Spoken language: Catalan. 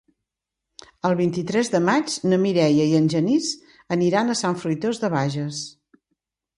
El vint-i-tres de maig na Mireia i en Genís aniran a Sant Fruitós de Bages.